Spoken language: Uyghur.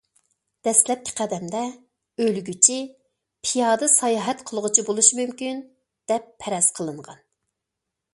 دەسلەپكى قەدەمدە، ئۆلگۈچى پىيادە ساياھەت قىلغۇچى بولۇشى مۇمكىن، دەپ پەرەز قىلىنغان.